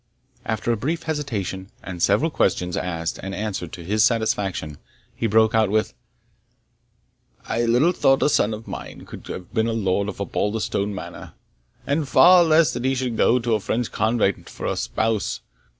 After a brief hesitation, and several questions asked and answered to his satisfaction, he broke out with "I little thought a son of mine should have been Lord of Osbaldistone Manor, and far less that he should go to a French convent for a spouse.